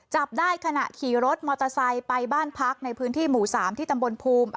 จับได้ขณะขี่รถมอเตอร์ไซค์ไปบ้านพักในพื้นที่หมู่๓ที่ตำบลภูมิ